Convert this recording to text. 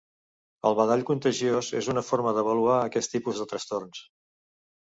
El badall contagiós és una forma d'avaluar aquest tipus de trastorns.